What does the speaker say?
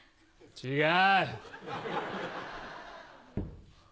違う。